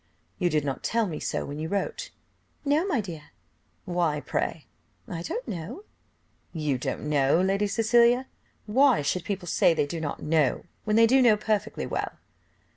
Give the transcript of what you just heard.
"You did not tell me so when you wrote!" "No, my dear." "Why pray?" "I don't know." "You don't know, Lady Cecilia! why should people say they do not know, when they do know perfectly well?"